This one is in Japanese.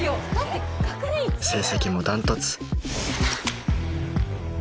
成績も断トツ